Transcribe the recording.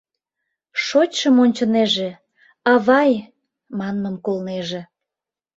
Шочшым ончынеже, «авай!» манмым колнеже.